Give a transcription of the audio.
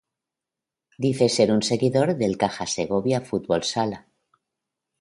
Dice ser un seguidor del Caja Segovia Fútbol Sala.